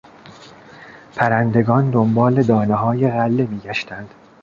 پرندگان دنبال دانههای غله میگشتند.